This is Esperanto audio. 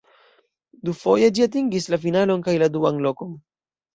Dufoje ĝi atingis la finalon kaj la duan lokon.